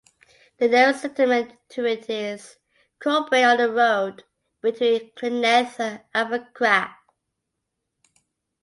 The nearest settlement to it is Coelbren, on the road between Glynneath and Abercraf.